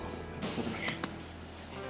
lo tenang ya